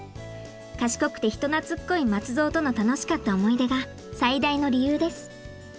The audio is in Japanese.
賢くて人懐っこい松蔵との楽しかった思い出が最大の理由です。